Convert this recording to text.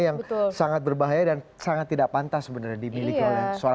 yang sangat berbahaya dan sangat tidak pantas sebenarnya